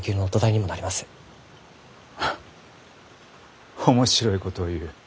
フッ面白いことを言う。